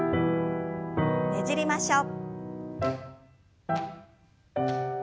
ねじりましょう。